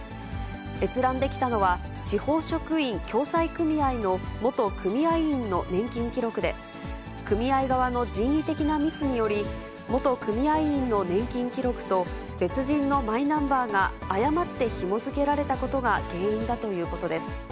閲覧できたのは、地方職員共済組合の元組合員の年金記録で、組合側の人為的なミスにより、元組合員の年金記録と、別人のマイナンバーが誤ってひも付けられたことが原因だということです。